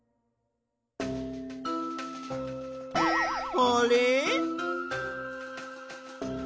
あれ？